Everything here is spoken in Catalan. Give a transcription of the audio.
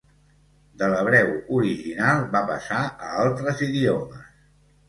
De l'hebreu original va passar a altres idiomes.